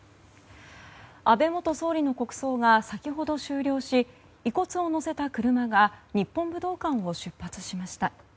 安倍元総理の国葬が先ほど終了し遺骨を乗せた車が日本武道館を出発しました。